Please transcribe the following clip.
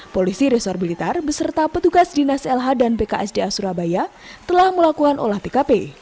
polisi resor blitar beserta petugas dinas lh dan pksda surabaya telah melakukan olah pkp